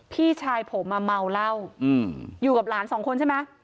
พี่ชายผมเมาเหล้าอยู่กับหลานสองคนใช่ไหม